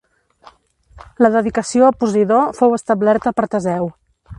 La dedicació a Posidó fou establerta per Teseu.